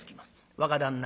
「若旦那。